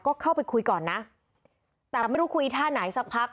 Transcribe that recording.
ก็เข้าไปคุยก่อนนะแต่ไม่รู้คุยท่าไหนสักพัก